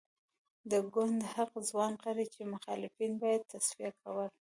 د ګوند هغه ځوان غړي چې مخالفین به یې تصفیه کول.